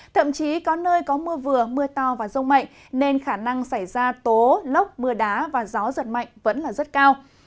thậm chí có nơi có mưa vừa mưa to và rông mạnh nên khả năng xảy ra tố lốc mưa đá và gió giật mạnh vẫn là rất cao